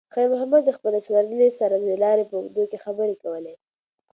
خیر محمد د خپلې سوارلۍ سره د لارې په اوږدو کې خبرې کولې.